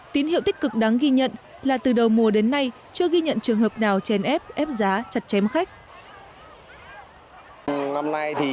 tín hiệu tích cực đáng ghi nhận là từ đầu mùa đến nay chưa ghi nhận trường hợp nào chèn ép giá chặt chém khách